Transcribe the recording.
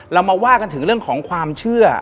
เรามาว่ากันถึงเรื่องของความเชื่อ